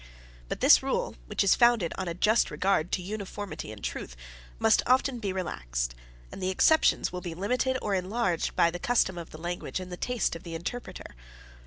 But this rule, which is founded on a just regard to uniformity and truth, must often be relaxed; and the exceptions will be limited or enlarged by the custom of the language and the taste of the interpreter.